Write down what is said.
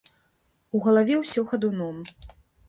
У галаве ўсё хадуном.